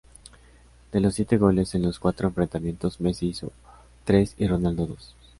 De los siete goles en los cuatro enfrentamientos, Messi hizo tres y Ronaldo dos.